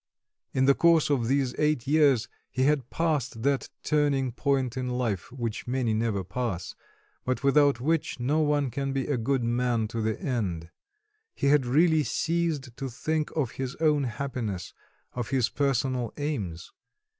In the course of these eight years he had passed that turning point in life, which many never pass, but without which no one can be a good man to the end; he had really ceased to think of his own happiness, of his personal aims.